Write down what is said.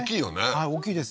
はい大きいです